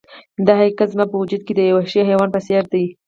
دا حقیقت زما په وجود کې د یو وحشي حیوان په څیر دی